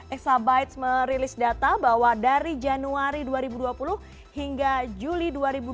exabites merilis data bahwa dari januari dua ribu dua puluh hingga juli dua ribu dua puluh